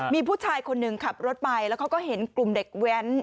มีผู้ชายคนหนึ่งขับรถไปแล้วเขาก็เห็นกลุ่มเด็กแว้น